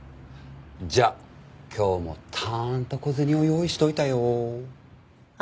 じゃあ今日もたーんと小銭を用意しておいたよ。